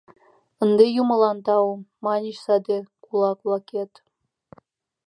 — Ынде юмылан тау, — маньыч саде кулак-влакет.